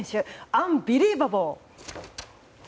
アンビリーバボー！